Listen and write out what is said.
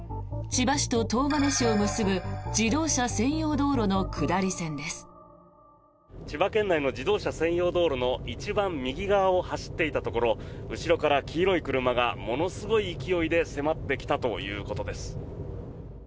千葉県内の自動車専用道路の一番右側を走っていたところ後ろから黄色い車がものすごい勢いで迫ってきたということです。